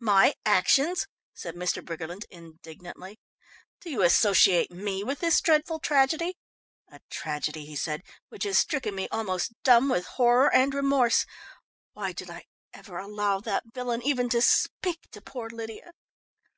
"My actions?" said Mr. Briggerland indignantly. "Do you associate me with this dreadful tragedy? A tragedy," he said, "which has stricken me almost dumb with horror and remorse. Why did I ever allow that villain even to speak to poor Lydia?"